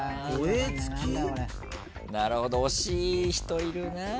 なるほど惜しい人いるなぁ。